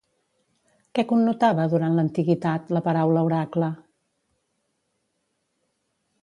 Què connotava, durant l'antiguitat, la paraula oracle?